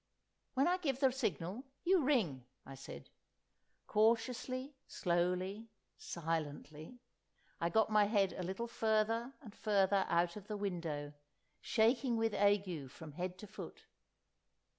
"When I give the signal, you ring," I said. Cautiously, slowly, silently, I got my head a little further and further out of the window, shaking with ague from head to foot.